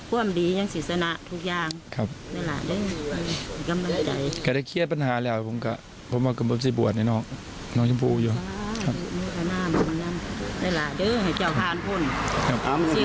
ว่ามดีขวามสัวทุกวันอาจจะปล่อยแมมทุกวันหลายไปดี